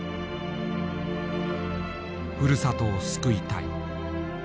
ふるさとを救いたい。